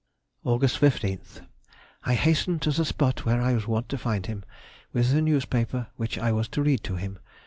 Aug. 15th.—I hastened to the spot where I was wont to find him with the newspaper which I was to read to him.